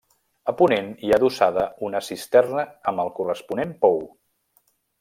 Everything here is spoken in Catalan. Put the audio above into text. A ponent hi ha adossada una cisterna amb el corresponent pou.